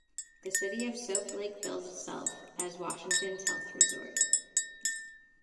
The city of Soap Lake bills itself as "Washington's Health Resort".